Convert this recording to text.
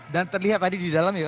dan terlihat tadi di dalam ya